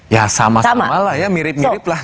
ya sama sama lah ya mirip mirip lah